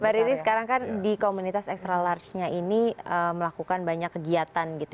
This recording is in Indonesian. mbak riri sekarang kan di komunitas extra large nya ini melakukan banyak kegiatan gitu